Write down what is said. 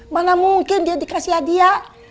mana mungkin dia dikasih hadiah